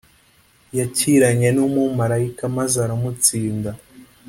Yakiranye n’Umumalayika maze aramutsinda,